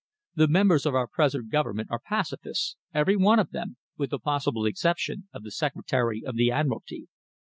The members of our present Government are pacifists, every one of them, with the possible exception of the Secretary of the Admiralty."